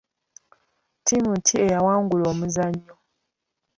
Ttiimu ki eyawangula omuzannyo?